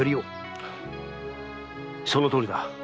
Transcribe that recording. そのとおりだ。